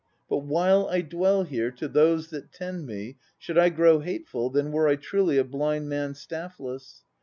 "But while I dwell here To those that tend me Should I grow hateful Then were I truly A blind man staffless.